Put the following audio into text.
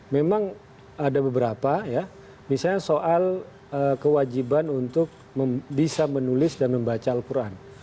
memang ada beberapa ya misalnya soal kewajiban untuk bisa menulis dan membaca al quran